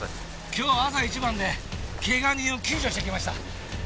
今日は朝一番でケガ人を救助してきました。